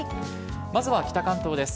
まずは北関東です。